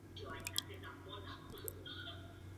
Řadu let byl předsedou Akademického senátu této fakulty.